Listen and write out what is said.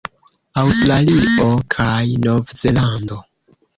Aŭstralio kaj Novzelando